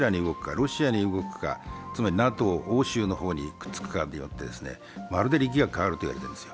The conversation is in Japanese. ロシアに動くか、つまりＮＡＴＯ、欧州の方に動くかによってまるで力学が変わると言われているんですよ。